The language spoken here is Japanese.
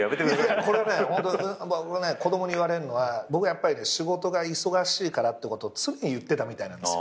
これはねホント子供に言われるのは僕やっぱり仕事が忙しいからってことを常に言ってたみたいなんですよ。